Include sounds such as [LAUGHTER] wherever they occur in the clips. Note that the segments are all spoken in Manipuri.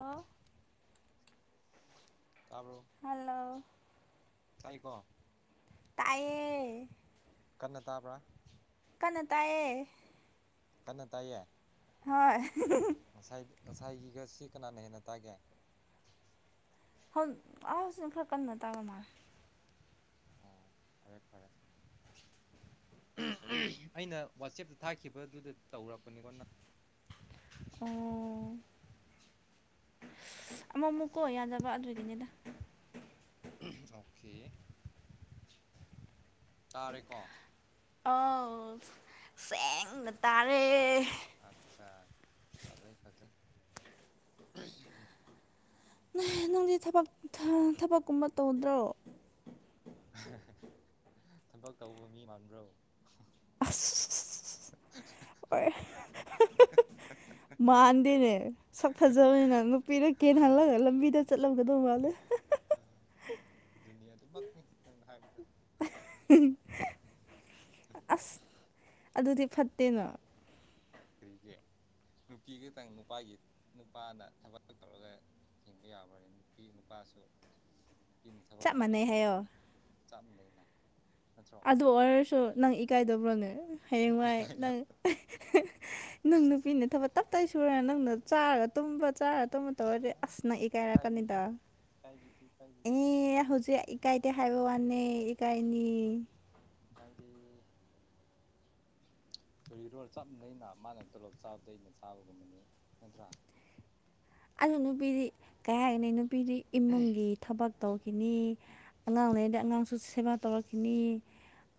ꯑ ꯇꯥꯕ꯭ꯔꯣ ꯍꯜꯂꯣ ꯇꯥꯏꯀꯣ ꯇꯥꯏꯌꯦ ꯀꯟꯅ ꯇꯥꯕ꯭ꯔꯥ ꯀꯟꯅ ꯇꯥꯏꯌꯦ ꯀꯟꯅ ꯇꯥꯏꯌꯦ ꯍꯣꯏ ꯉꯁꯥꯏ ꯉꯁꯥꯏꯒꯤꯒ ꯁꯤ ꯀꯅꯥꯅ ꯍꯦꯟꯅ ꯇꯥꯒꯦ ꯍꯝ ꯑꯥ ꯁꯤꯅ ꯈꯔ ꯀꯟꯅ ꯇꯥꯕ ꯃꯥꯜꯂꯦ ꯑꯣ ꯐꯔꯦ ꯐꯔꯦ ꯑꯩꯅ ꯋꯥꯆꯦꯞꯇ ꯊꯥꯈꯤꯕꯗꯨꯗ ꯇꯧꯔꯛꯄꯅꯤꯀꯣ ꯅꯪ ꯑ ꯑꯃ ꯑꯃꯨꯛꯀꯣ ꯌꯥꯗꯕ ꯑꯗꯨꯒꯤꯅꯤꯗ ꯑꯣꯀꯦ ꯇꯥꯔꯦꯀꯣ ꯑꯥꯎ ꯁꯦꯡꯅ ꯇꯥꯔꯦ ꯑꯠꯆꯥ ꯐꯖꯩ ꯐꯖꯩ ꯅꯦꯍ ꯅꯪꯗꯤ ꯊꯕꯛ ꯊ ꯊꯕꯛꯀꯨꯝꯕ ꯇꯧꯗ꯭ꯔꯣ ꯊꯕꯛ ꯇꯧꯕ ꯃꯤ ꯃꯥꯟꯕ꯭ꯔꯣ ꯑꯁ [UNINTELLIGIBLE] ꯃꯥꯟꯗꯦꯅꯦ ꯁꯛ ꯐꯖꯕꯅꯤꯅ ꯅꯨꯄꯤꯗ ꯀꯦꯟꯍꯜꯂꯒ ꯂꯝꯕꯤꯗ ꯆꯠꯂꯝꯒꯗꯧ ꯃꯥꯜꯂꯦ ꯑ ꯑꯗꯨꯅꯤ ꯑꯗꯨꯃꯛꯅꯤ ꯅꯪꯅ ꯍꯥꯏꯕꯗꯨ ꯑꯁ ꯑꯗꯨꯗꯤ ꯐꯠꯇꯦꯅ ꯀꯔꯤꯒꯤ ꯅꯨꯄꯤ ꯈꯇꯪ ꯅꯨꯄꯥꯒꯤ ꯅꯨꯄꯥꯅ ꯊꯕꯛ ꯇꯧꯔꯒ ꯍꯤꯡꯕ ꯌꯥꯕ꯭ꯔꯅꯦ ꯅꯨꯄꯤ ꯅꯨꯄꯥꯁꯨ ꯅꯨꯄꯤꯅ ꯊꯕꯛ ꯆꯞ ꯇꯧꯔ ꯃꯥꯟꯅꯩ ꯍꯤꯡꯕ ꯍꯥꯏꯌꯣ ꯌꯥꯏꯅ ꯆꯞꯃꯅꯩꯩꯅ ꯅꯠꯇ꯭ꯔꯣ ꯗꯨ ꯑꯣꯏꯔꯁꯨ ꯅꯪ ꯏꯀꯥꯏꯗꯕ꯭ꯔꯣꯅꯦ ꯍꯌꯦꯡꯋꯥꯏ ꯅꯪ ꯏꯀꯥꯏꯅꯕ ꯅꯪ ꯑꯁ ꯅꯨꯄꯤꯅ ꯊꯕꯛ ꯇꯞꯇꯥꯏ ꯁꯨꯔ ꯅꯪꯅ ꯆꯥꯔ ꯇꯨꯝꯕ ꯆꯥꯔ ꯇꯨꯝꯕ ꯇꯧꯔꯗꯤ ꯑꯣ ꯑꯁ ꯅꯪ ꯏꯀꯥꯏꯕꯤꯗꯦ ꯏꯀꯥꯏꯔꯛꯀꯅꯤꯗ ꯏꯀꯥꯏꯕꯤꯗꯦ ꯏꯀꯥꯏꯕꯤ ꯏ ꯍꯧꯖꯤꯛ ꯏꯀꯥꯏꯗꯦ ꯍꯥꯏꯕ ꯋꯥꯅꯦ ꯏꯀꯥꯏꯅꯤ ꯏꯀꯥꯏꯗꯦ ꯀꯔꯤꯔꯣ ꯆꯞ ꯃꯅꯩꯅ ꯃꯥꯅ ꯇꯣꯂꯣꯞ ꯆꯥꯕꯗꯣ ꯑꯩꯅ ꯆꯥꯕꯒꯨꯝꯕꯅꯤ ꯅꯠꯇ꯭ꯔꯥ ꯑꯗꯨ ꯅꯨꯄꯤꯗꯤ ꯀꯩ ꯍꯥꯏꯅꯤ ꯅꯨꯄꯤꯗꯤ ꯏꯃꯨꯡꯒꯤ ꯊꯕꯛ ꯇꯧꯈꯤꯅꯤ ꯑꯉꯥꯡ ꯂꯩꯔꯗꯤ ꯑꯉꯥꯡꯁꯨ ꯁꯦꯕꯥ ꯇꯧꯔꯛꯈꯤꯅꯤ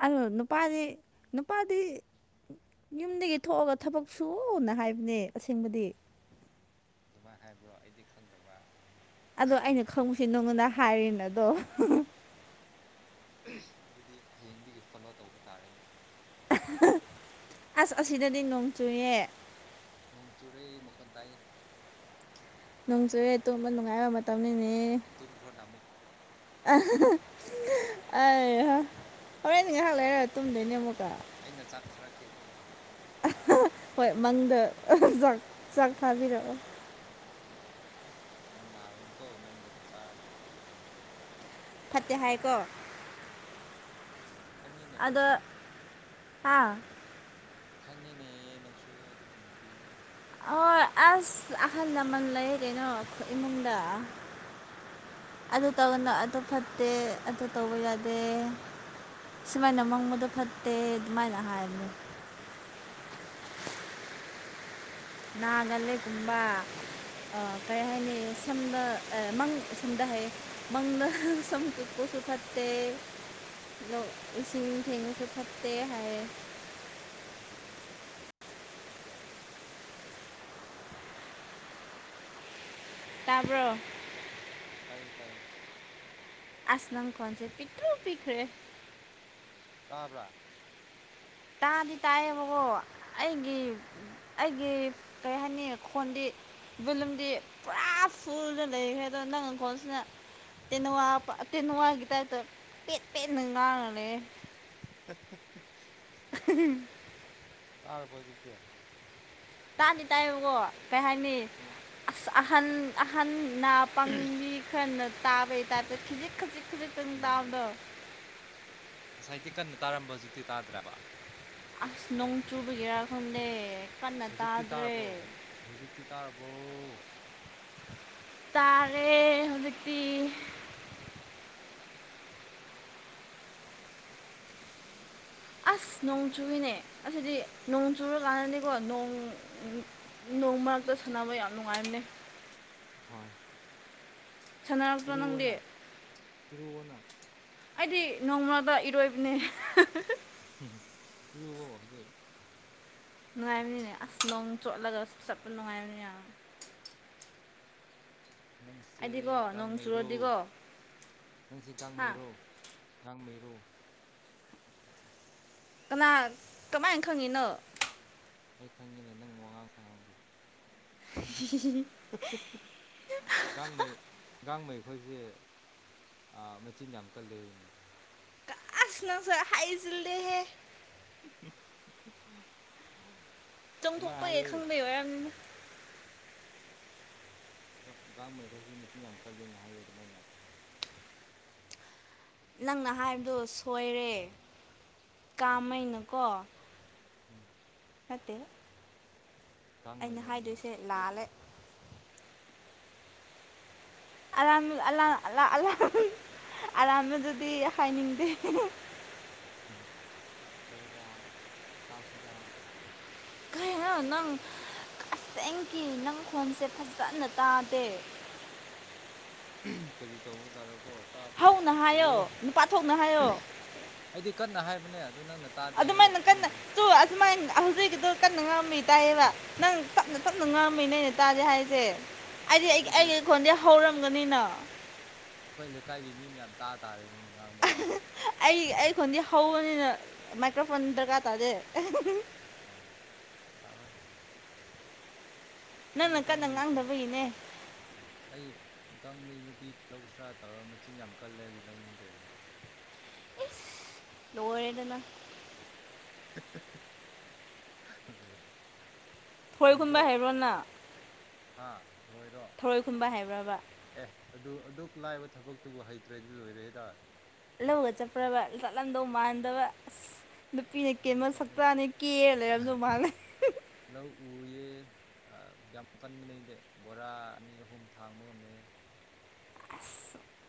ꯑꯗꯣ ꯑꯗꯨ ꯅꯨꯄꯥꯗꯤ ꯅꯨ ꯄꯥꯗꯤ ꯌꯨꯝꯗꯒꯤ ꯊꯣꯛꯑꯒ ꯊꯕꯛ ꯁꯨꯑꯣꯅ ꯍꯥꯏꯕꯅꯦ ꯑꯁꯦꯡꯕꯗꯤ ꯗꯨꯃꯥꯏ ꯍꯥꯏꯕ꯭ꯔꯣ ꯑꯩꯗꯤ ꯈꯪꯗꯕ ꯑꯗꯣ ꯑꯩꯅ ꯈꯪꯕꯁꯦ ꯅꯉꯣꯟꯗ ꯍꯥꯏꯔꯦꯅ ꯑꯗꯣ ꯑꯗꯨꯗꯤ ꯍꯌꯦꯡꯗꯒꯤ ꯐꯣꯂꯣ ꯇꯧꯕ ꯇꯥꯔꯦꯅꯦ ꯑꯁ ꯑꯁꯤꯗꯗꯤ ꯅꯣꯡ ꯆꯨꯏꯌꯦ ꯅꯣꯡ ꯆꯨꯔꯦ ꯃꯈꯣꯟ ꯇꯥꯏꯌꯦ ꯅꯣꯡ ꯆꯨꯔꯦ ꯇꯨꯝꯕ ꯅꯨꯡꯉꯥꯏꯕ ꯃꯇꯝꯅꯤꯅꯦ ꯇꯨꯝꯈ꯭ꯔꯣꯅ ꯑꯃꯨꯛ [UNINTELLIGIBLE] [UNINTELLIGIBLE] ꯑꯩ ꯍꯥ ꯍꯣꯔꯦꯟ ꯉꯥꯏꯍꯥꯛ ꯂꯩꯔꯒ ꯇꯨꯝꯗꯣꯏꯅꯦ ꯑꯃꯨꯛꯀ ꯑꯩꯅ ꯆꯥꯛ ꯊꯥꯔꯛꯀꯦ ꯇꯨꯝꯈ꯭ꯔꯣ ꯑ ꯍꯥ ꯍꯣꯏ ꯃꯪꯗ ꯆꯥꯛ ꯆꯥꯛ ꯊꯥꯕꯤꯔꯛꯑꯣ ꯅꯪ ꯅꯥꯒꯅꯤꯀꯣ ꯃꯪꯗꯒꯤ ꯆꯥꯔꯗꯤ ꯐꯠꯇꯦ ꯍꯥꯏꯀꯣ ꯍꯣꯏ ꯈꯪꯉꯦꯅꯦ ꯅꯪꯁꯦ ꯑꯗ ꯍꯥꯥ ꯈꯪꯉꯤꯅꯦ ꯅꯪꯁꯨ ꯑꯗꯨꯒꯨꯝꯕꯗꯤ ꯑꯣꯏ ꯑꯁ ꯑꯍꯜ ꯂꯃꯟ ꯂꯩ ꯀꯩꯅꯣ ꯑꯈꯣꯏ ꯏꯃꯨꯡꯗ [UNINTELLIGIBLE] ꯑꯗꯨ ꯇꯧꯒꯅꯣ ꯑꯗꯨ ꯐꯠꯇꯦ ꯑꯗꯨ ꯇꯧꯕ ꯌꯥꯗꯦ ꯁꯨꯃꯥꯏꯅ ꯃꯪꯕꯗꯣ ꯐꯠꯇꯦ ꯑꯗꯨꯃꯥꯏꯅ ꯍꯥꯏꯕꯅꯦ ꯑꯣ ꯅꯥꯒꯜꯂꯦ ꯀꯨꯝꯕ ꯑꯥ ꯀꯩ ꯍꯥꯏꯅꯤ ꯁꯝꯗ ꯑꯦ ꯃꯪ ꯁꯝꯗ ꯍꯥꯏꯌꯦ ꯃꯪꯗ ꯁꯝ [UNINTELLIGIBLE] ꯐꯠ ꯇꯦ ꯅꯣꯡ ꯏꯁꯤꯡ ꯊꯦꯡꯕꯁꯨ ꯐꯠꯇꯦ ꯍꯥꯏꯌꯦ [UNINTELLIGIBLE] ꯇꯥꯕ꯭ꯔꯣ ꯇꯥꯏꯌꯦ ꯇꯥꯏꯌꯦ ꯑꯁ ꯅꯪ ꯈꯣꯟꯁꯦ ꯄꯤꯛꯇ꯭ꯔꯨ ꯄꯤꯛꯈ꯭ꯔꯦ ꯇꯥꯕ꯭ꯔꯥ ꯇꯥꯗꯤ ꯇꯥꯏꯌꯦꯕꯀꯣ ꯑꯩꯒꯤ ꯎꯝ ꯑꯩꯒꯤ ꯀꯔꯤ ꯍꯥꯏꯅꯤ ꯈꯣꯟꯗꯤ ꯚꯣꯂꯨꯝꯗꯤ ꯄꯨꯔꯥ ꯐꯨꯜꯗ ꯂꯩꯈ꯭ꯔꯦ ꯑꯗꯣ ꯅꯪ ꯅꯈꯣꯜꯁꯤꯅ ꯇꯦꯟꯅꯋꯥ ꯄꯥ ꯇꯦꯟꯅꯋꯥꯒꯤ ꯇꯥꯏꯞꯇꯥ ꯄꯦꯠ ꯄꯦꯠꯅ ꯉꯥꯡꯔ ꯂꯩꯌꯦ [UNINTELLIGIBLE] [UNINTELLIGIBLE] ꯇꯥꯔꯕ ꯍꯧꯖꯤꯛꯇꯤ ꯇꯥꯗꯤ ꯇꯥꯏꯌꯦꯕꯀꯣ ꯀꯩ ꯍꯥꯏꯅꯤ ꯎꯝ ꯑꯁ ꯑꯍꯟ ꯑꯍꯟ ꯅꯥ ꯄꯡꯕꯤ ꯈꯔꯅ ꯇꯥꯕꯩ ꯇꯥꯏꯞꯇꯥ ꯈꯤꯖꯤꯛ ꯈꯖꯤꯛ ꯈꯖꯤꯛꯇꯪ ꯎꯝ ꯇꯥꯕꯗꯣ ꯉꯁꯥꯏꯗꯤ ꯀꯟꯅ ꯇꯥꯔꯝꯕ ꯍꯧꯖꯤꯛꯇꯤ ꯇꯥꯗ꯭ꯔꯕ ꯑꯁ ꯅꯣꯡ ꯆꯨꯕꯒꯤꯔꯥ ꯈꯪꯗꯦ ꯀꯟꯅ ꯍꯧꯖꯤꯛꯇꯤ ꯇꯥꯗ꯭ꯔꯦ ꯇꯥꯔꯕꯣ ꯍꯧꯖꯤꯛꯇꯤ ꯇꯥꯔꯕꯣ ꯇꯥꯔꯦ ꯍꯧꯖꯤꯛꯇꯤ ꯑꯁ ꯅꯣꯡ ꯆꯨꯋꯤꯅꯦ ꯑꯁꯤꯗꯤ ꯅꯣꯡ ꯆꯨꯔꯥ ꯀꯥꯟꯗꯗꯤꯀꯣ ꯅꯣꯡ ꯅꯣꯡ ꯃꯔꯛꯇ ꯁꯥꯟꯅꯕ ꯌꯥꯝ ꯅꯨꯡꯉꯥꯏꯕꯅꯦ ꯍꯣꯏ ꯁꯥꯟꯅꯔꯛꯇ꯭ꯔꯣ ꯅꯪꯗꯤ ꯏꯔꯨꯑꯣꯅ ꯏꯔꯨꯑꯣꯅ ꯑꯩꯗꯤ ꯅꯣꯡ ꯃꯔꯛꯇ ꯏꯔꯣꯏꯕꯅꯦ ꯍꯨꯝ ꯍꯨꯝ ꯏꯔꯨꯋꯣ ꯍꯧꯖꯤꯛ ꯅꯨꯡꯉꯥꯏꯕꯅꯤꯅꯦ ꯑꯁ ꯅꯣꯡ ꯆꯣꯠꯂꯒ ꯆꯠꯄ ꯅꯨꯡꯉꯥꯏꯕꯅꯦ ꯌꯥꯝ ꯅꯪꯁꯦ ꯑꯩꯗꯤꯀꯣ ꯅꯣꯡ ꯒꯥꯡꯃꯩꯔꯧ ꯆꯨꯔꯗꯤꯀꯣ ꯅꯪꯁꯦ ꯍꯥ ꯒꯥꯡꯃꯩꯔꯣ ꯒꯥꯡꯃꯩꯔꯣ ꯀꯅꯥ ꯀꯃꯥꯏꯅ ꯈꯪꯉꯤꯅꯣ ꯑꯩ ꯈꯪꯉꯤꯅꯦ ꯅꯪ ꯋꯥꯉꯥꯡ ꯁꯉꯥꯡꯗꯣ [INAUDIBLE] ꯥꯒꯥꯡꯃꯩ ꯒꯥꯡꯃꯩ ꯈꯣꯏꯁꯦ ꯑꯥ ꯃꯆꯤꯟ ꯌꯥꯝ ꯀꯜꯂꯦ ꯑꯩꯅꯤ ꯑꯁ ꯅꯪꯁꯨ ꯍꯥꯏꯖꯤꯜꯂꯦꯍꯦ [INAUDIBLE] [INAUDIBLE] ꯑꯗꯨꯃꯥꯏꯅ ꯆꯪꯊꯣꯛꯄꯒꯤ ꯍꯥꯏꯌꯦ ꯈꯪꯕꯩ ꯌꯣꯏꯔꯝꯅꯤ ꯒꯥꯡꯃꯩꯍꯣꯏꯁꯦ ꯃꯆꯤꯟ ꯌꯥꯝ ꯀꯜꯂꯦꯅ ꯍꯥꯏꯌꯦ ꯑꯗꯨꯃꯥꯏꯅ ꯅꯪꯅ ꯍꯥꯏꯕꯗꯣ ꯁꯣꯏꯔꯦ ꯀꯔꯤꯒꯤ ꯀꯥꯃꯩꯅꯀꯣ ꯎꯝ ꯅꯠꯇꯦ ꯒꯥꯡꯃꯩ ꯑꯩꯅ ꯍꯥꯏꯕꯅꯦ ꯍꯥꯏꯗꯣꯏꯁꯦ ꯂꯥꯜꯂꯦ ꯑꯔꯥꯟ ꯑꯔꯥꯟ ꯑꯔꯥꯥꯟꯕꯗꯨꯗꯤ ꯍꯥꯏꯅꯤꯡꯗꯦ ꯍꯥꯏꯌꯨꯗ ꯇꯥꯁꯤꯗ ꯀꯩꯔꯤꯅꯣ ꯅꯪ ꯑꯁꯦꯡꯒꯤ ꯅꯪ ꯈꯣꯟꯁꯦ ꯐꯖꯅ ꯇꯥꯗꯦ ꯀꯔꯤ ꯇꯧꯕꯖꯥꯠꯔꯣꯀꯣ ꯇꯥꯗꯦ ꯍꯧꯅ ꯍꯥꯏꯁꯤꯕꯨ ꯍꯥꯏꯌꯣ ꯅꯨꯄꯥ ꯊꯣꯛꯅ ꯍꯥꯏꯌꯣ ꯑꯩꯗꯤ ꯀꯟꯅ ꯍꯥꯏꯕꯅꯦ ꯑꯗꯨ ꯅꯪꯅ ꯇꯥꯗꯦ ꯍꯥꯏꯌꯦ ꯈꯪꯗ꯭ꯔꯦ ꯑꯗꯨ ꯑꯁꯨꯃꯥꯏꯅ ꯍꯧꯖꯤꯛꯀꯤꯗꯣ ꯀꯟꯅ ꯉꯥꯡꯕꯒꯤ ꯇꯥꯏꯌꯦꯕ ꯅꯪꯅ ꯇꯞꯅ ꯇꯞꯅ ꯉꯥꯡꯕꯒꯤꯅꯦ ꯇꯥꯗꯦ ꯍꯥꯏꯁꯦ ꯑꯁ ꯑꯩꯗꯤ ꯑꯩ ꯑꯗꯨꯗꯤ ꯑꯩꯒꯤ ꯈꯣꯟꯗꯤ ꯍꯧꯔꯝꯒꯅꯤꯅ ꯑꯩꯈꯣꯏ ꯂꯩꯀꯥꯏꯒꯤ ꯃꯤ ꯃꯌꯥꯝ ꯇꯥ ꯇꯥꯔꯦꯅꯦ ꯅꯪꯅ ꯉꯥꯡꯕꯗꯣ ꯑꯩ ꯑꯩꯈꯣꯟꯗꯤ ꯍꯧꯕꯅꯤꯅ ꯃꯥꯏꯀ꯭ꯔꯣꯐꯣꯟ ꯗꯔꯀꯥꯔ ꯇꯥꯗꯦ ꯑꯥ ꯇꯔꯣꯏ ꯅꯪꯅ ꯅꯣꯏ ꯀꯟꯅ ꯒꯥꯡꯃꯩꯁꯤꯡ ꯉꯥꯡꯗꯕꯒꯤꯅꯦ ꯑꯩ ꯒꯥꯡꯃꯩ ꯅꯨꯄꯤ ꯂꯧꯁꯤꯔꯥ ꯇꯧꯔꯒ ꯃꯆꯤꯟ ꯌꯥꯝ ꯀꯜꯂꯦ ꯍꯥꯏꯕꯒꯤ ꯂꯧꯅꯤꯡꯗ꯭ꯔꯦꯅꯦ ꯏꯁ ꯂꯣꯏꯔꯦꯗꯅ [UNINTELLIGIBLE] [INAUDIBLE] [INAUDIBLE] ꯊꯔꯣꯏ ꯈꯨꯟꯕ ꯆꯨꯝꯗ꯭ꯔꯣ ꯍꯩꯕ꯭ꯔꯣ ꯅꯪ ꯍꯥꯥ ꯊꯔꯣꯏꯔꯣ ꯊꯔꯣꯏ ꯈꯨꯟꯕ ꯍꯩꯕ꯭ꯔꯕ ꯑꯦ ꯑꯗꯨ ꯑꯗꯨꯛ ꯂꯥꯏꯕ ꯊꯕꯛꯇꯨꯕꯨ ꯍꯩꯇ꯭ꯔꯗꯤ ꯂꯣꯏꯔꯦꯗ ꯂꯧꯒ ꯆꯠꯄ꯭ꯔꯕ ꯂꯠꯂꯝꯗꯧ ꯃꯥꯟꯗꯕ ꯑꯁ ꯅꯨꯄꯤꯅ ꯂꯧ ꯀꯦꯟꯕ ꯆꯠꯂꯦ ꯁꯛꯇꯥꯅꯤ ꯀꯦꯔ ꯂꯩꯔꯝꯗꯧ ꯃꯥꯜꯂꯦ ꯂꯧ ꯎꯏꯌꯦ ꯌꯥꯝ ꯀꯟꯕꯅꯦ ꯑꯩꯗꯤ ꯕꯣꯔꯥ ꯑꯅꯤ ꯑꯍꯨꯝ ꯊꯥꯡꯕ ꯉꯝꯃꯦ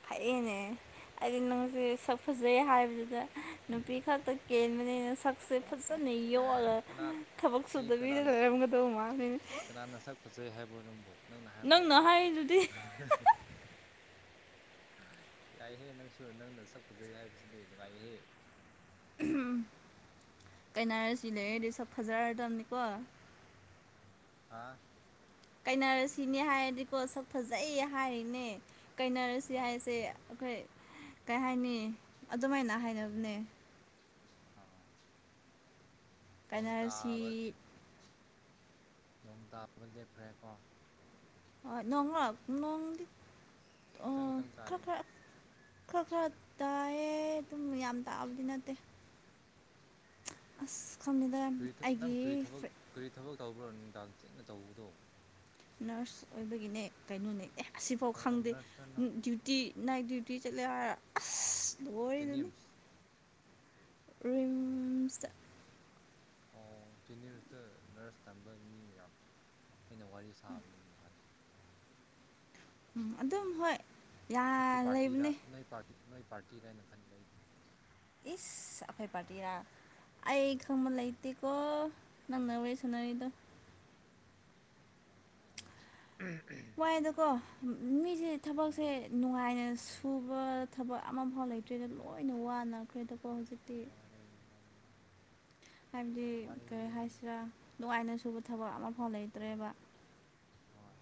ꯍꯩꯌꯦꯅꯦ ꯑꯩꯗꯤ ꯅꯪꯁꯦ ꯁꯛ ꯐꯖꯩ ꯍꯥꯏꯕꯗꯨꯗ ꯅꯨꯄꯤ ꯥꯈꯛꯇ ꯀꯦꯟꯕꯅꯦ ꯅꯁꯛꯁꯦ ꯐꯖꯅ ꯌꯣꯜꯂꯒ ꯀꯅꯥꯅ ꯊꯕꯛ ꯑꯩ ꯁꯨꯗꯕꯤꯗ ꯀꯅꯥꯅ ꯂꯩꯔꯝꯒꯗꯧꯕ ꯃꯥꯜꯂꯤꯅꯦ ꯀꯅꯥꯅ ꯁꯛ ꯐꯖꯩ ꯍꯥꯏꯕ꯭ꯔꯣ ꯅꯪꯕꯨ ꯍꯥꯏꯕ꯭ꯔꯣ ꯅꯪꯅ ꯍꯥꯏꯔꯤꯗꯨꯗꯤ [INAUDIBLE] ꯌꯥꯏꯍꯦ ꯅꯪꯁꯨ ꯅꯪꯅ ꯁꯛ ꯐꯖꯩ ꯍꯥꯏꯕꯁꯤꯗꯤ ꯅꯨꯡꯉꯥꯏꯍꯦ ꯎꯝ ꯀꯩꯅꯥꯔꯁꯤ ꯂꯩꯔꯗꯤ ꯁꯛ ꯐꯖꯔꯗꯕꯅꯤꯀꯣ ꯍꯥꯥ ꯀꯩꯅ ꯔꯁꯤꯅꯦ ꯍꯥꯏꯔꯗꯤꯀꯣ ꯁꯛ ꯐꯖꯩ ꯍꯥꯏꯔꯤꯅꯦ ꯀꯩꯅꯥꯔꯁꯤ ꯍꯣꯏ ꯍꯥꯏꯕꯁꯦ ꯑꯩꯈꯣꯏ ꯀꯩ ꯍꯥꯏꯅꯤ ꯑꯗꯨꯃꯥꯏꯅ ꯍꯥꯏꯅꯕꯅꯦ ꯑꯥ ꯅꯣꯡ ꯀꯥꯏꯅꯔꯁꯤ ꯇꯕꯥ ꯅꯣꯡ ꯇꯥꯕ ꯂꯦꯞꯈ꯭ꯔꯦꯀꯣ ꯑꯥ ꯅꯣꯡ ꯂꫭ ꯅꯣꯡꯗꯤ ꯑꯣ ꯈꯤꯇꯪ ꯈꯤꯇꯪ ꯇꯥꯔꯤꯌꯦ ꯈꯔꯥ ꯈꯔꯥ ꯈꯔꯥ ꯈꯔꯥ ꯇꯥꯏꯌꯦ ꯑꯗꯨꯝ ꯌꯥꯝ ꯇꯥꯕꯗꯤ ꯅꯠꯇꯦ ꯑꯁ ꯈꯪꯗ‌ꯦꯗ ꯀꯔꯤ ꯅꯪ ꯑꯩꯒꯤ ꯀꯔꯤ ꯊꯕꯛ ꯐꯔ‌ꯦ ꯀꯔꯤ ꯊꯕꯛ ꯇꯧꯕ꯭ꯔꯣ ꯅꯨꯡꯗꯥꯡ ꯊꯦꯡꯅ ꯇꯧꯕꯗꯣ ꯅꯔꯁ ꯑꯣꯏꯕꯒꯤꯅꯦ ꯀꯩꯅꯣꯅꯦ ꯑꯦ ꯑꯁꯤꯐꯥꯎ ꯑꯣ ꯈꯪꯗꯦ ꯅꯔꯁꯇ ꯅꯪ ꯗꯤꯌ꯭ ꯇꯤ ꯅꯥꯏꯠ ꯗꯤ꯭ꯌꯨꯇꯤ ꯆꯠꯂꯦ ꯍꯥꯏꯔꯥ ꯖꯦꯅꯤꯝꯁ ꯔꯤꯝꯁꯇꯥ ꯑꯣ ꯖꯦꯅꯤꯝꯁꯇ ꯅꯔꯁ ꯇꯝꯕ ꯃꯤ ꯃꯌꯥꯝ ꯑꯩꯅ ꯋꯥꯔꯤ ꯁꯥꯕꯅꯤꯅꯦ ꯃꯥꯗꯤ ꯎꯝ ꯑꯗꯨꯝ ꯑꯗꯨꯏꯅꯤ ꯍꯣꯏ ꯌꯥ ꯅꯣꯏ ꯄꯥꯔꯇꯤꯔ ꯂꯩꯕꯅꯦ ꯅꯣꯏ ꯄꯥꯔꯇꯤ ꯅꯣꯏ ꯄꯥꯔꯇꯤꯔꯥ ꯍꯥꯏꯅ ꯈꯟꯕ ꯑꯩꯗꯤ ꯏꯁ ꯑꯩꯈꫭꯏ ꯄꯥꯔꯇꯤꯔꯥ ꯑꯩ ꯈꯪꯕ ꯂꯩꯇꯦꯀꯣ ꯅꯪꯅ ꯋꯥꯔꯤ ꯁꯥꯟꯅꯔꯤꯗꯣ ꯎꯝ ꯎꯝ ꯥꯏ [UNINTELLIGIBLE] ꯗꯀꯣ ꯃꯤꯁꯦ ꯊꯕꯛꯁꯦ ꯅꯨꯡꯉꯥꯏꯅ ꯁꯨꯕ ꯊꯕꯛ ꯑꯃꯐꯥꯎ ꯂꯩꯇ꯭ꯔꯦꯗ ꯂꯣꯏꯅ ꯋꯥꯅꯈ꯭ꯔꯦꯗꯀꫭ ꯍꯧꯖꯤꯛꯇꯤ ꯋꯔꯦ ꯋꯔꯦ ꯍꯥꯏꯕꯗꯤ ꯀꯔꯤ ꯍꯥꯏꯁꯤꯔꯥ ꯅꯨꯡꯉꯥꯏꯅ ꯁꯨꯕ ꯊꯕꯛ ꯑꯃꯐꯥꯎ ꯂꯩꯇ꯭ꯔꯦꯕ ꯍꯣꯏ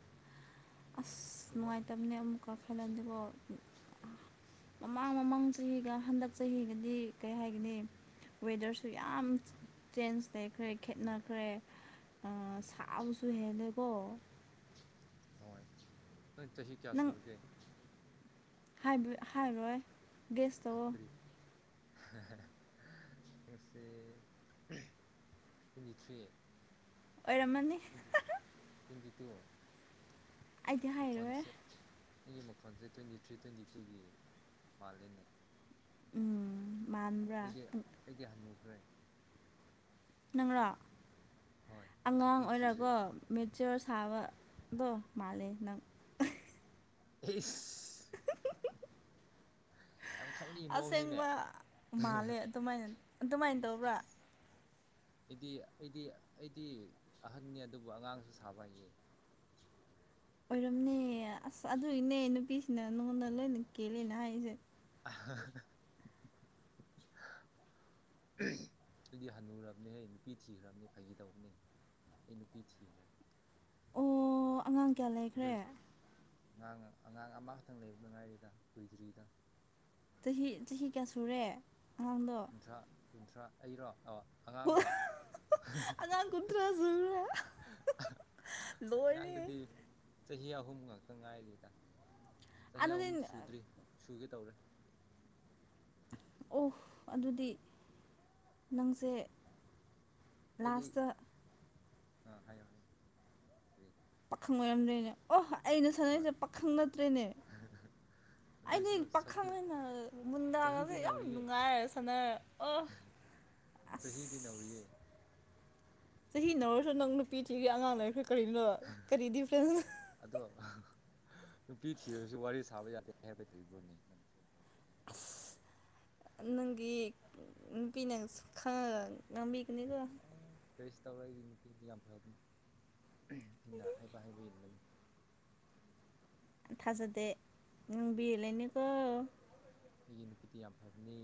ꯑꯁ ꯑꯗꯨꯃꯛꯅꯤ ꯅꯨꯡꯉꯥꯏꯇꯕꯅꯦ ꯑꯃꯨꯛꯀ ꯈꯜꯂꯑꯗꯤꯀꫭ ꯃꯃꯥꯡ ꯃꯃꯥꯡ ꯆꯍꯤꯒ ꯍꯟꯗꯛ ꯆꯍꯤꯒꯗꯤ ꯀꯩ ꯍꯥꯏꯒꯅꯤ ꯋꯦꯗꯔꯁꯨ ꯌꯥꯝ ꯆꯦꯟꯖ ꯂꯩꯈ꯭ꯔꯦ ꯈꯦꯅꯈ꯭ꯔꯦ ꯑꯥ ꯎꯝ ꯁꯥꯕꯁꯨ ꯍꯦꯜꯂꯦꯀꯣ ꯍꯣꯏ ꯅꯪ ꯆꯍꯤ ꯀꯌꯥ ꯁꯨꯔꯒꯦ ꯍꯥꯏꯕ ꯍꯥꯏꯔꯣꯏ ꯒꯦꯁꯇꯧꯋꫭ ꯉꯪꯁꯤ ꯇ꯭ꯋꯦꯟꯇꯤ ꯊ꯭ꯔꯤ ꯑꯣꯏꯔꯝꯃꯅꯤ ꯇ꯭ꯋꯦꯟꯇꯤ ꯇ꯭ꯋꯦꯟꯇꯤ ꯇꯨ ꯑꯥ [UNINTELLIGIBLE] ꯃꯈꯣꯟꯁꯦ ꯃꯤꯒꯤ ꯃꯈꯣꯟꯁꯦ ꯇ꯭ꯋꯦꯟꯇꯤ ꯊ꯭ꯔꯤ ꯇ꯭ꯋꯦꯟꯇꯤ ꯇꯨꯒꯤ ꯃꯥꯂꯦꯅꯦ ꯎꯝ ꯃꯥꯟ ꯑꯩꯗꯤ ꯑꯩꯩꯗꯤ ꯍꯉꯨꯈ꯭ꯔꯦ ꯅꯪꯔꯣ ꯍꯣꯏ ꯑꯉꯥꯡ ꯅꯨꯄꯤ ꯊꯤꯈ꯭ꯔꯦ ꯑꯣꯏꯔꯒꯣ ꯃꯦꯆꯌꯣꯔ ꯁꯥꯕꯗꯣ ꯃꯥꯜꯂꯦ ꯅꯪ ꯏꯁ ꯌꯥꯝ ꯈꯪꯕꯤ ꯃꯑꯣꯡꯅꯤꯅꯦ ꯑꯁꯦꯡꯕ ꯃꯥꯜꯂꯦ ꯑꯗꯨꯃꯥꯏꯅ ꯑꯗꯨꯃꯥꯏꯅ ꯏꯁ ꯇꯧꯕ꯭ꯔꯥ [INAUDIBLE] ꯏꯁ ꯑꯩꯗꯤ ꯑꯩꯗꯤ ꯑꯩꯗꯤ ꯑꯍꯟꯅꯤ ꯑꯗꯨꯕꯨ ꯑꯉꯥꯡꯁꯨ ꯁꯥꯕ ꯍꯩꯌꯦ ꯑꯣꯏꯔꯝꯅꯤꯌꯦ ꯑꯁ ꯑꯗꯨꯒꯤꯅꯦ ꯅꯨꯄꯤꯁꯤꯡꯅ ꯅꯉꯣꯟꯗ ꯂꯣꯏꯅ ꯀꯦꯜꯂꯦꯅ ꯍꯥꯏꯔꯤꯁꯦ ꯑ [UNINTELLIGIBLE] [INAUDIBLE] ꯑꯩꯗꯤ ꯍꯟꯅꯨꯔꯕꯅꯦꯍꯦ ꯅꯨꯄꯤ ꯊꯤꯈ꯭ꯔꯕꯅꯤ ꯐꯩꯒꯤ ꯇꯧꯕꯅꯦ ꯑꯩ ꯅꯨꯄꯤ ꯊꯤꯈ꯭ꯔꯦ ꯑꯣ ꯑꯉꯥꯡ ꯀꯌꯥ ꯂꯩꯈ꯭ꯔꯦ ꯑꯗꯨꯖꯤ ꯑꯉꯥꯡ ꯑꯉꯥꯡ ꯑꯃꯈꯛꯇꯪ ꯂꯩꯕꯗ ꯉꯥꯏꯔꯤꯗ ꯀꯨꯏꯗ꯭ꯔꯤꯗ ꯆꯍꯤ ꯆꯍꯤ ꯀꯌꯥ ꯁꯨꯔꯦ ꯑꯉꯥꯡꯗꯣ ꯊ꯭ꯔꯥ ꯀꯨꯟꯊ꯭ꯔꯥ ꯑꯩꯔꯣ ꯑ ꯑꯉꯥꯡꯔꯣ ꯑꯉꯥꯡ ꯀꯨꯟꯊ꯭ꯔꯥ ꯁꯨꯔꯦ ꯂꯣꯏꯔꯦ ꯑꯉꯥꯡꯗꯨꯗꯤ ꯆꯍꯤ ꯑꯍꯨꯝ ꯉꯥꯛꯇ ꯉꯥꯏꯔꯤꯗ ꯆꯍꯤ ꯑꯗꯨꯗꯤ ꯑꯍꯨꯝ ꯁꯨꯗ꯭ꯔꯤ ꯁꯨꯒꯦ ꯇꯧꯔꯦ ꯑꯣ ꯑꯗꯨꯗꯤ ꯅꯪꯁꯦ ꯑꯩꯗꯤ ꯂꯥꯁꯇ ꯑꯥ ꯍꯥꯏꯌꯣ ꯍꯥꯏꯌꯣ ꯂꯩ ꯄꯥꯈꯪ ꯑꯣꯏꯔꯝꯗ꯭ꯔ‌ꯦꯅꯦ ꯑꯣ ꯑꯩꯅ ꯁꯥꯟꯅꯔꯤꯁꯦ ꯍꯣꯏ ꯄꯥꯈꯪ ꯅꯠꯇ꯭ꯔꯦꯅꯦ ꯑꯩꯗꯤ ꯑꯗꯨꯏꯁꯨ ꯁꯛꯇꯤ ꯄꯥꯈꯪꯅ‌ꯦꯅ ꯃꯨꯟꯗꯥꯒꯁꯦ ꯆꯍꯤꯗꯤ ꯌꯥꯝ ꯅꯧꯔꯤꯌꯦ ꯅꯨꯡꯉꯥꯏꯔ ꯁꯥꯟꯅꯔ ꯑꯣ ꯆꯍꯤꯗꯤ ꯅꯧꯔꯤꯌꯦ ꯑꯁ ꯆꯍꯤ ꯅꯧꯔꯁꯨ ꯅꯪ ꯅꯨꯄꯤ ꯊꯤꯒꯤ ꯑꯉꯥꯡ ꯂꯩꯈ꯭ꯔ‌ꯦ ꯀꯔꯤꯅꯣ ꯀꯔꯤ ꯗꯤꯐ꯭ꯔꯦꯟꯁꯅꯣ ꯑꯗꯣ ꯅꯨꯄꯤ ꯊꯤꯔꯁꯨ ꯋꯥꯔꯤ ꯁꯥꯕ ꯌꯥꯗꯦ ꯍꯥꯏꯕ ꯂꯩꯕ꯭ꯔꯣꯅꯦ ꯅꯪꯁꯨ ꯅꯪꯒꯤ ꯅꯨꯄꯤꯅꯁꯨ ꯈꯪꯉꯒ ꯉꯥꯡꯕꯤꯒꯅꯤꯗ ꯎꯝ ꯀꯔꯤꯁꯨ ꯇꯧꯔ‌ꯣꯏ ꯑꯩꯒꯤ ꯅꯨꯄꯤꯗꯤ ꯌꯥꯝ ꯐꯕꯅꯤ ꯑꯩꯅ ꯍꯥꯏꯕ ꯍꯥꯏꯕ ꯏꯟꯕꯅꯤ ꯊꯖꯗꯦ ꯅꯨꯡꯕꯤ ꯂꯩꯅꯤꯀꯣ ꯑꯩꯒꯤ ꯅꯨꯄꯤꯗꯤ ꯌꯥꯝ ꯐꯕꯅꯦ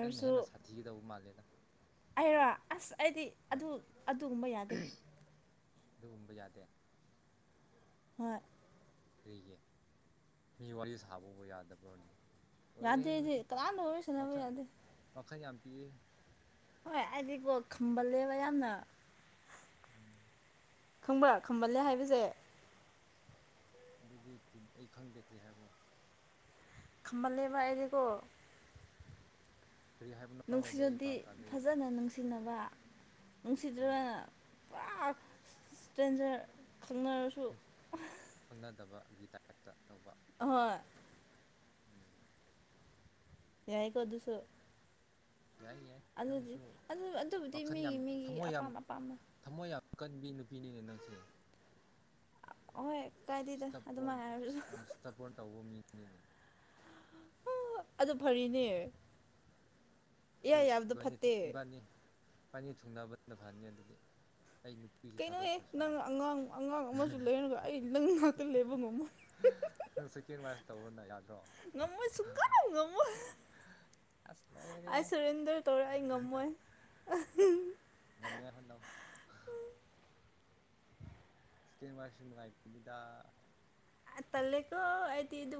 ꯅꯪꯅ ꯍꯦꯟꯅ ꯁꯥꯊꯤꯒꯗꯧꯕ ꯃꯥꯜꯂꯦꯗ ꯑꯩꯔꯣ ꯑꯁ ꯑꯩꯗꯤ ꯍꯣꯏ ꯑꯗꯨ ꯑꯗꯨꯒꯨꯝꯕ ꯌꯥꯗꯦ ꯑꯗꯨꯒꯨꯝꯕ ꯌꯥꯗꯦ ꯍꯣꯏ ꯀꯩꯒꯤ ꯃꯤ ꯋꯥꯔꯤ ꯁꯥꯕꯕꯨ ꯌꯥꯗꯕ꯭ꯔꯣꯅꯦ ꯌꯥꯗꯦ ꯑꯣꯏꯔꯦꯍꯦ ꯑꯩꯗꯤ ꯀꯅꯥꯝꯗ ꯋꯥꯔꯤ ꯁꯥꯟꯅꯕ ꯌꯥꯗꯦ ꯋꯥꯈꯟ ꯌꯥꯝ ꯄꯤꯛꯑꯦ ꯍꯣꯏ ꯑꯩꯗꯤꯀꯣ ꯈꯝꯕꯜꯂꯦꯕ ꯌꯥꯝꯅ ꯎꯝ ꯈꯪꯕ꯭ꯔꯥ ꯈꯝꯕꯜꯂꯦ ꯍꯥꯏꯕꯁꯦ ꯑꯗꯨꯗꯤ ꯇꯤꯟ ꯑꯩ ꯈꯪꯗꯦ ꯀꯔꯤ ꯍꯥꯏꯕ꯭ꯔꯣ ꯈꯝꯕꯜꯂꯦꯕ ꯑꯩꯗꯤꯀꯣ ꯀꯔꯤ ꯍꯥꯏꯕꯅꯣ ꯑꯗꯣ ꯑꯩ ꯅꯨꯡꯁꯤꯔꯗꯤ ꯚꯥꯞ ꯇꯥꯗꯦ ꯐꯖꯅ ꯅꯨꯡꯁꯤꯅꯕ ꯎꯝ ꯅꯨꯡꯁꯤꯗ꯭ꯔꯒꯅ ꯄꯨꯔꯥ ꯏꯁꯇ꯭ꯔꯦꯟꯖ꯭ꯔ ꯈꯪꯅꯔꯁꯨ ꯎꯝ ꯈꯪꯅꯗꯕꯒꯤ ꯇꯥꯏꯞꯇ ꯇꯧꯕ ꯍꯣꯏ ꯎꯝ ꯌꯥꯏ ꯀꯣ ꯑꯗꯨꯁꯨ ꯌꯥꯏ ꯌꯥꯏ ꯑꯗꯨꯗꯤ ꯅꯪꯁꯨ ꯑꯗꯨ ꯑꯗꯨꯕꯨꯗꯤ ꯃꯤꯒꯤ ꯃꯤꯒꯤ ꯑꯄꯥꯝ ꯑꯄꯥꯝꯕꯅꯦ ꯊꯝꯃꯣꯏ ꯌꯥꯝ ꯀꯟꯕꯤ ꯅꯨꯄꯤꯅꯤꯅꯦ ꯅꯪꯁꯦ ꯍꯣꯏ ꯀꯟ ꯏꯁꯇꯞꯕꯣꯔꯟ ꯌꯥꯝ ꯏꯁꯇꯞꯕꯣꯔꯟ ꯇꯧꯕ ꯃꯤꯅꯤꯅꯦ ꯑꯗꯨ ꯐꯔꯤꯅꯦ ꯏꯌꯥ ꯑꯗꯨ ꯌꯥꯕꯗꯣ ꯏꯕꯥꯅꯤ ꯊꯨ‌ ꯐꯠꯇꯦ ꯏꯕꯥꯅꯤ ꯏꯕꯥꯅꯤ ꯊꯨꯡꯅꯕꯅ ꯐꯅꯤ ꯑꯗꯨꯗꯤ ꯑꯩ ꯅꯨꯄꯤꯁꯦ ꯀꯩꯅꯣꯍ‌ꯦ ꯅꯪ ꯊꯥꯗꯣꯛꯈ꯭ꯔꯁꯤꯔꯅꯦ ꯑꯉꯥꯡ ꯑꯉꯥꯡ ꯑꯃꯁꯨ ꯂꯩꯔꯒ ꯑꯩ ꯅꯪ ꯉꯥꯛꯇ ꯂꯩꯕ ꯉꯝꯃꯣꯏ ꯅꯪ ꯆꯦꯀꯦꯟ ꯂꯥꯏꯁ ꯇꯧꯔꯣꯅ ꯌꯥꯗ꯭ꯔꯣ ꯉꯃꯣꯏ ꯁꯨꯀꯉꯝ ꯉꯃꯣꯏ ꯑꯁ ꯂꯣꯏꯔꯦ ꯑꯩ ꯁꯦꯔꯦꯟꯗ꯭ꯔ ꯇꯧꯔꯦ ꯑꯩ ꯉꯝꯃꯣꯏ ꯉꯝꯅꯤꯉꯥꯏ ꯍꯣꯠꯅꯧ ꯏꯁꯀꯦꯟ ꯕꯥꯏꯖꯦ ꯅꯨꯡꯉꯥꯏꯕꯤꯗꯦꯗ ꯑꯩ ꯇꯜꯂꯦꯀꯣ ꯑꯩꯗꯤ ꯑꯗꯨ